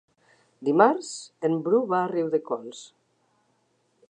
Dimarts en Bru va a Riudecols.